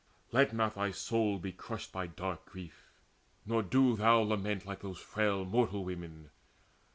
Let not thy soul Be crushed by dark grief, nor do thou lament Like those frail mortal women.